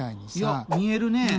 いや見えるね。